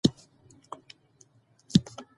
که ته کار غواړې نو انټرنیټ کې یې ولټوه.